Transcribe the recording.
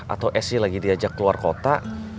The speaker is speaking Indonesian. atau s lagi diajak keluar kota